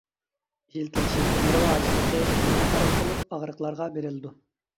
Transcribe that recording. ئىشلىتىلىشى: نېرۋا ئاجىزلىقى، نېرۋا خاراكتېرلىك ئاغرىقلارغا بېرىلىدۇ.